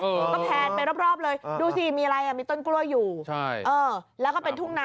ก็แพนไปรอบเลยดูสิมีอะไรอ่ะมีต้นกล้วยอยู่ใช่เออแล้วก็เป็นทุ่งนา